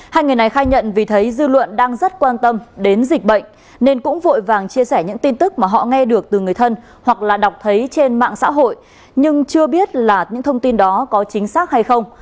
hai người này khai nhận vì thấy dư luận đang rất quan tâm đến dịch bệnh nên cũng vội vàng chia sẻ những tin tức mà họ nghe được từ người thân hoặc là đọc thấy trên mạng xã hội nhưng chưa biết là những thông tin đó có chính xác hay không